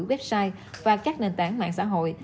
website và các nền tảng mạng xã hội